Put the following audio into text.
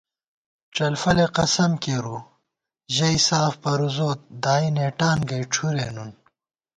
ڄلفلےقسم کېرُو ژَئی ساف پروزوت دائی نېٹانگئ ڄُھرےنُن